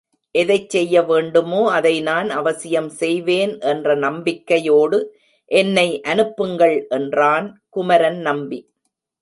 எதைச் செய்ய வேண்டுமோ அதை நான் அவசியம் செய்வேன் என்ற நம்பிக்கையோடு என்னை அனுப்புங்கள் என்றான் குமரன் நம்பி.